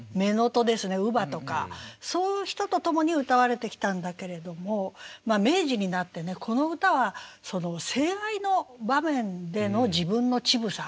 乳母とかそういう人と共に歌われてきたんだけれども明治になってねこの歌は性愛の場面での自分の乳房を歌っている。